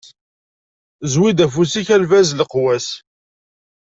Zwi-d afus-ik a lbaz n leqwas.